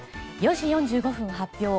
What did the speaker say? ４時４５分発表